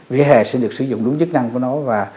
vỉa hè sẽ được sử dụng đúng chức năng của nó và